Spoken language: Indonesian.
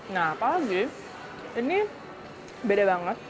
nah apalagif ini beda banget